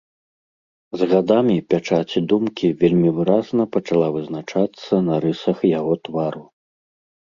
З гадамі пячаць думкі вельмі выразна пачала вызначацца на рысах яго твару.